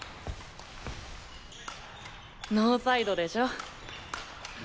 ノーサイドでしょ？